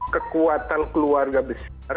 kekuatan keluarga besar